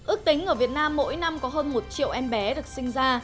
ước tính ở việt nam mỗi năm có hơn một triệu em bé được sinh ra